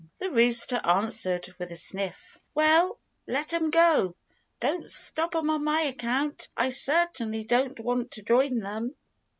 the rooster answered with a sniff, "Well, let 'em go! Don't stop 'em on my account. I certainly don't want to join them."